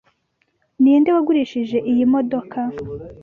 Ninde wagurishije iyi modoka?